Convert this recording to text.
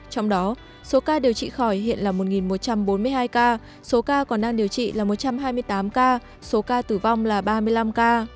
trong đó số ca điều trị khỏi hiện là một một trăm bốn mươi hai ca số ca còn đang điều trị là một trăm hai mươi tám ca số ca tử vong là ba mươi năm ca